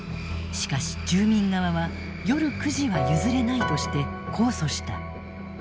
しかし住民側は夜９時は譲れないとして控訴した。